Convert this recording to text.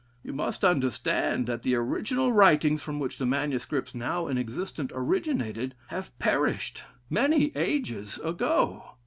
You must understand that the original writings from which the manuscripts now in existence originated, have perished many ages ago.